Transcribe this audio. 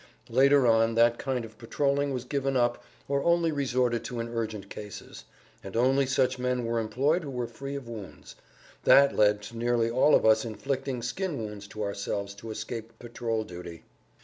Later on that kind of patroling was given up or only resorted to in urgent cases, and only such men were employed who were free of wounds. That led to nearly all of us inflicting skin wounds to ourselves to escape patrol duty.